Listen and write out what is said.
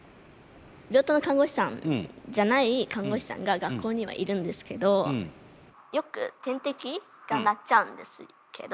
病棟の看護師さんじゃない看護師さんが学校にはいるんですけどよく点滴が鳴っちゃうんですけど。